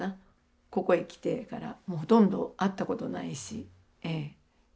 ここへ来てからもうほとんど会ったことないしええ。